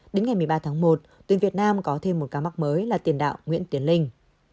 đến ngày một mươi ba tháng một tuyển việt nam có thêm một ca mắc mới là tiền đạo nguyễn tiến linh